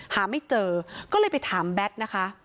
หาไม่เจอก็เลยไปถามแบทนะคะ